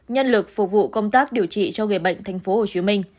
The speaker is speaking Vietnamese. nhân lực phục vụ công tác điều trị cho người bệnh tp hcm thứ trưởng bộ y tế nói